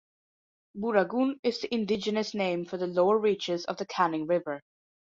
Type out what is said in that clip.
Booragoon is the indigenous name for the lower reaches of the Canning River.